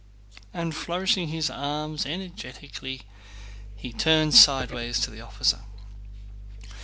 And flourishing his arm energetically he turned sideways to the officer.